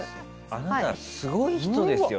あなたすごい人ですよ